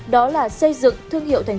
đó là xây dựng thương hiệu tp hcm